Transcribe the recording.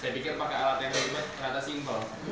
saya pikir pakai alat yang lain cuma kata simpel